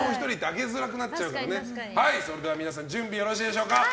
それでは皆さん準備よろしいでしょうか。